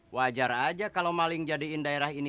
wajar aja kalau maling jadiin daerah ini